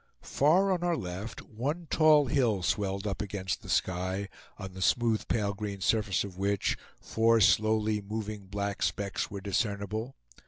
Far on our left one tall hill swelled up against the sky, on the smooth, pale green surface of which four slowly moving black specks were discernible.